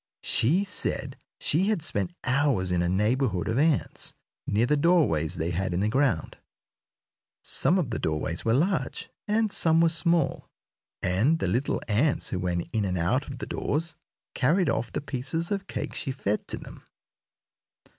She said she had spent hours in a neighborhood of ants, near the doorways they had in the ground. Some of the doorways were large, and some were small, and the little ants who went in and out of the doors carried off the pieces of cake she fed to them.